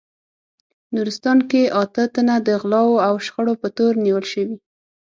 نورستان کې اته تنه د غلاوو او شخړو په تور نیول شوي